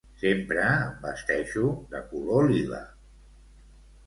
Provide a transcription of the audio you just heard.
Sempre em vesteixo de color lila